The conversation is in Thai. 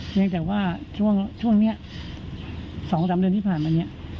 ยังแต่ว่าช่วงนี้๒๓เดือนที่ผ่านมาเนี่ย